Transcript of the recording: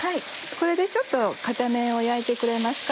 これでちょっと片面を焼いてくれますか？